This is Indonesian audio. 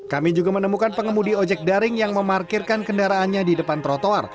kami juga menemukan pengemudi ojek daring yang memarkirkan kendaraannya di depan trotoar